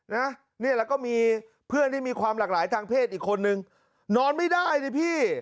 นะเนี่ยแล้วก็มีเพื่อนที่มีความหลากหลายทางเพศอีกคนนึงนอนไม่ได้ดิพี่